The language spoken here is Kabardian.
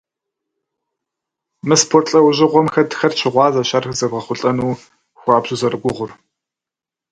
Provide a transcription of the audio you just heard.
Мы спорт лӏэужьыгъуэм хэтхэр щыгъуазэщ ар зэбгъэхъулӏэну хуабжьу зэрыгугъур.